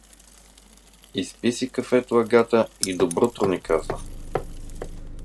— Изпи си кафето агата и добрутро ни казва!